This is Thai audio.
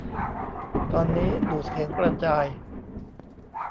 ตอนนี้ ดูดเสียงกระจาย